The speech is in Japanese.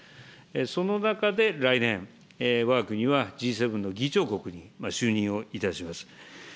その中で来年、わが国はＧ７の議長国に就任をいたします。